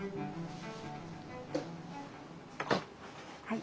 はい。